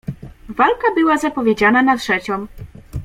"Walka była zapowiedziana na trzecią."